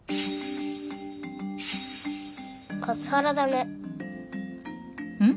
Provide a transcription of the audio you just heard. カスハラだねうん？